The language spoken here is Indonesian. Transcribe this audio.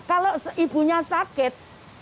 kalau ibunya sakit